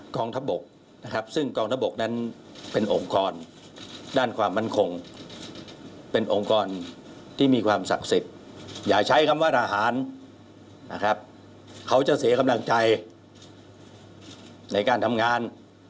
กองทัพบกนะครับซึ่งกองทัพบกนั้นเป็นองค์กรด้านความมั่นคงเป็นองค์กรที่มีความศักดิ์สิทธิ์อย่าใช้คำว่าทหารนะครับเขาจะเสียกำลังใจในการทำงาน